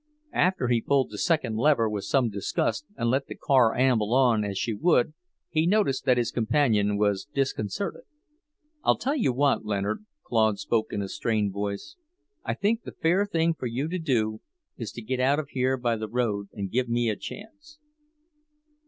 After he pulled the second lever with some disgust and let the car amble on as she would, he noticed that his companion was disconcerted. "I'll tell you what, Leonard," Claude spoke in a strained voice, "I think the fair thing for you to do is to get out here by the road and give me a chance."